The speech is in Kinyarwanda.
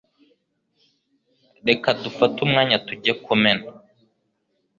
Reka dufate umwanya tujye kumena.